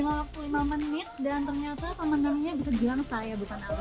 waktu lima menit dan ternyata teman temannya bisa bilang saya bukan anak